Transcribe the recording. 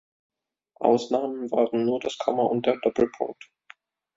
Ausnahmen waren nur das Komma und der Doppelpunkt.